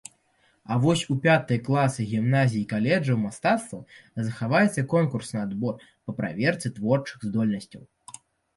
А вось у пятыя класы гімназій-каледжаў мастацтваў захаваецца конкурсны адбор па праверцы творчых здольнасцяў.